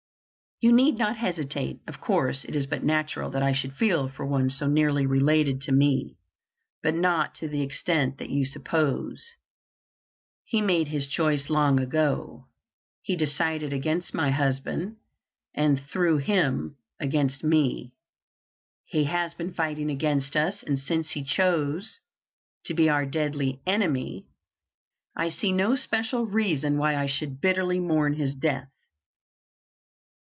"You need not hesitate. Of course, it is but natural that I should feel for one so nearly related to me, but not to the extent that you suppose. He made his choice long ago. He decided against my husband, and through him against me. He has been fighting against us; and since he chose to be our deadly enemy, I see no special reason why I should bitterly mourn his death."